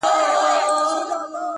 لکه ازاره، خپله کونه ئې نظر کړه.